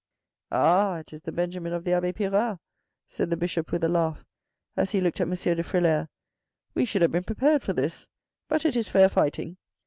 "Ah, it is the Benjamin of the abbe Pirard," said the Bishop with a laugh, as he looked at M. de Frilair. " We should have been prepared for this. But it is fair fighting.